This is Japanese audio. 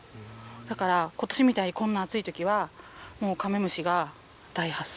だから、ことしみたいにこんな暑いときは、もうカメムシが大発生。